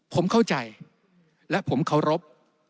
ผมเข้าใจและผมเคารพ